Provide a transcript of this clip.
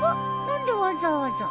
何でわざわざ。